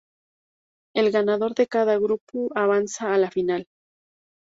El ganador de cada grupo avanza a la final.